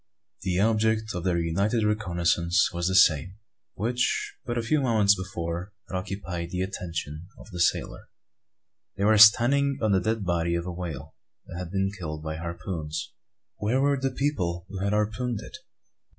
The object of their united reconnoissance was the same which, but a few moments before, had occupied the attention of the sailor. They were standing on the dead body of a whale that had been killed by harpoons. Where were the people who had harpooned it?